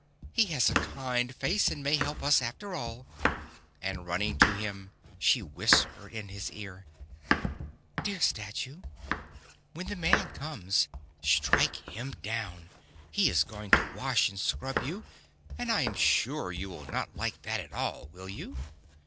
He has a kind face, and may help us, after all," and running to him, she whispered in his ear :" Dear Statue, when the man comes, strike him down. He is going to wash and scrub you, and I am sure you will not like that at all, will you?